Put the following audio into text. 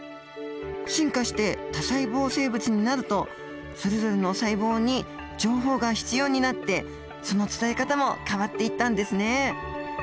進化して多細胞生物になるとそれぞれの細胞に情報が必要になってその伝え方も変わっていったんですね。